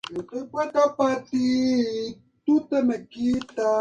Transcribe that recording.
Mientras esto ocurre Phillips se consigue una novia periodista llamada Laura Olney.